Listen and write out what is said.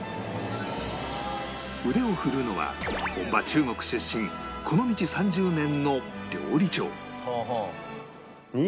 腕を振るうのは本場中国出身この道３０年の料理長